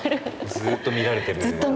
ずっと見られてる。